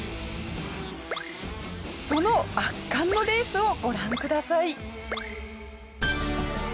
その圧巻のレースをご覧ください。